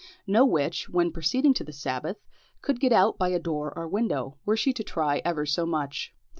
No witch, when proceeding to the sabbath, could get out by a door or window, were she to try ever so much.